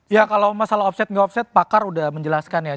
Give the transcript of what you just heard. ya kalau masalah offside ngi offside pakar sudah menjelaskan ya